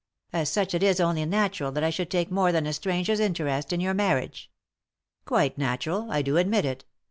" As such it is only natural that I should take more than a stranger's interest in your marriage." " Quite natural ; I do admit it.